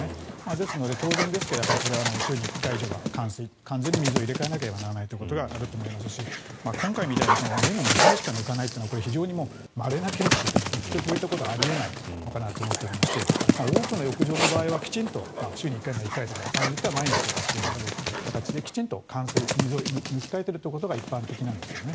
ですので、当然ですけれどこれは週に１回以上は換水、完全に水を入れ替えないといけないのはありますし今回のように年に２回しか抜かないのは非常にまれなケースというか普通こういったことはあり得ないのかなと思っていまして多くの浴場の場合は週に１回とか２回とか場合によっては毎日という形できちんと換水水を抜き替えていることが一般的なんですね。